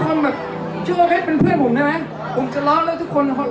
มันมีหัวใจของเธอเพียงข้างดีกว่า